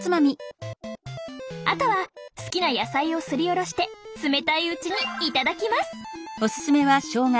あとは好きな野菜をすりおろして冷たいうちに頂きます！